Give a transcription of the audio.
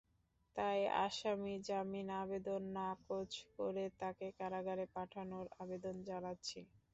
তাই আসামির জামিন আবেদন নাকচ করে তাঁকে কারাগারে পাঠানোর আবেদন জানাচ্ছি।